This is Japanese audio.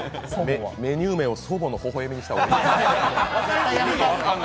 メニュー名を祖母の微笑みにした方がいい。